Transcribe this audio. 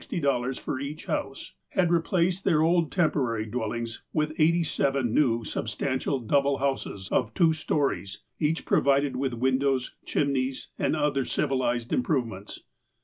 00 for each house, had replaced their old temporary dwellings with eighty seven new, substantial double houses, of two storeys, each provided with windows, chimneys, and other civi lized improvements.